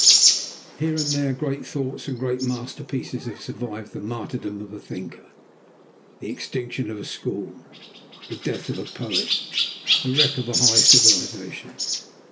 Here and there great thoughts and great masterpieces have survived the martyrdom of a thinker, the extinction of a school, the death of a poet, the wreck of a high civilisation.